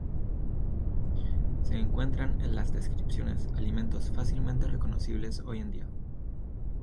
Se encuentran en las descripciones alimentos fácilmente reconocibles hoy en día.